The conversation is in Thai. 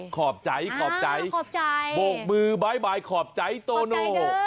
ขอบใจขอบใจขอบใจโบกมือบ๊ายบายขอบใจโตโน